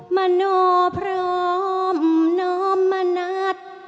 มโนพร้อมน้อมมานัด